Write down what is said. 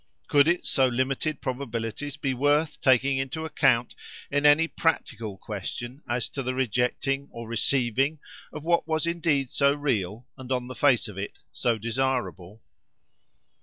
Could its so limited probabilities be worth taking into account in any practical question as to the rejecting or receiving of what was indeed so real, and, on the face of it, so desirable?